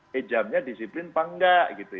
hejamnya disiplin apa enggak gitu